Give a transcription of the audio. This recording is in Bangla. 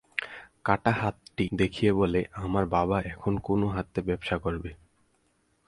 কাটা হাতটি দেখিয়ে বলে আমার বাবা এখন কোন হাতে ব্যবসা করবে।